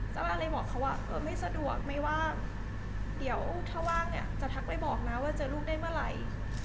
บ้านเลยบอกเขาว่าเออไม่สะดวกไม่ว่าเดี๋ยวถ้าว่างเนี่ยจะทักไปบอกนะว่าเจอลูกได้เมื่อไหร่